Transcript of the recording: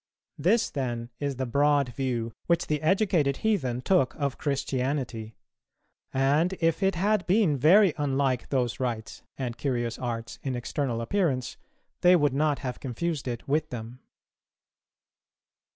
This, then, is the broad view which the educated heathen took of Christianity; and, if it had been very unlike those rites and curious arts in external appearance, they would not have confused it with them.